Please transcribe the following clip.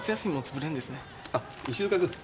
あっ石塚君。